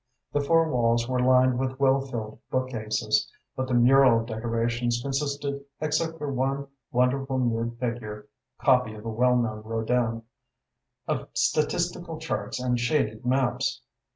The four walls were lined with well filled bookcases, but the mural decorations consisted except for one wonderful nude figure, copy of a well known Rodin of statistical charts and shaded maps.